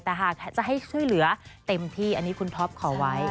แต่หากจะให้ช่วยเหลือเต็มที่อันนี้คุณท็อปขอไว้